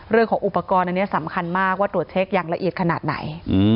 เรื่องของอุปกรณ์อันนี้สำคัญมากว่าตรวจเช็คอย่างละเอียดขนาดไหน